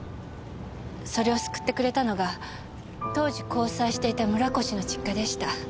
それを救ってくれたのが当時交際していた村越の実家でした。